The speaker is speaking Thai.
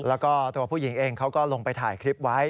แล้วก็ตัวผู้หญิงเองเขาก็ลงไปถ่ายคลิปไว้